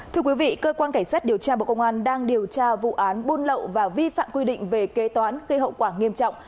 thưa quý vị cơ quan cảnh sát điều tra bộ công an đang điều tra vụ án buôn lậu và vi phạm quy định về kế toán gây hậu quả nghiêm trọng